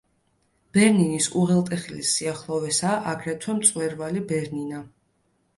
ბერნინის უღელტეხილის სიახლოვესაა აგრეთვე მწვერვალი ბერნინა.